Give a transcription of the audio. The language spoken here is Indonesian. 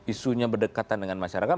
isunya berdekatan dengan masyarakat